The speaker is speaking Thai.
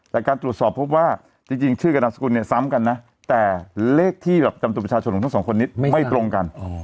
แต่การตรวจสอบพบว่าจริงชื่อกับนามสกุลเนี่ยซ้ำกันนะแต่เลขที่แบบจำตัวประชาชนของทั้งสองคนนี้ไม่ตรงกัน